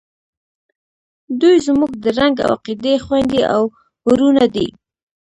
دوئ زموږ د رنګ او عقیدې خویندې او ورونه دي.